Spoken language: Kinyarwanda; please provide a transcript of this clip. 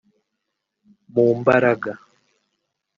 mu mbaraga